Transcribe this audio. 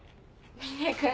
峰君。